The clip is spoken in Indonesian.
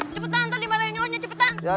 cepetan ntar dimarahin nyonya cepetan